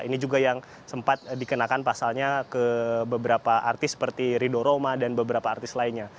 ini juga yang sempat dikenakan pasalnya ke beberapa artis seperti rido roma dan beberapa artis lainnya